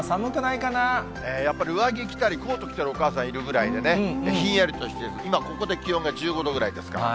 やっぱり上着着たり、コート着てるお母さん、いるぐらいでね、ひんやりとしてて、今、ここで気温が１５度ぐらいですから。